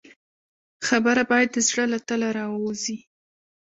خبره باید د زړه له تله راووځي.